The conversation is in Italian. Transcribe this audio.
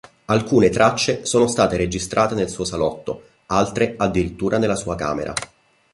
Alcune tracce sono state registrate nel suo salotto, altre addirittura nella sua camera.